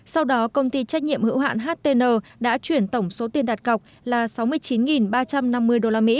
sau đó công ty trách nhiệm hữu hạn htn đã chuyển tổng số tiền đặt cọc là sáu mươi chín ba trăm năm mươi usd